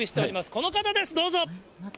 この方です、どうぞ。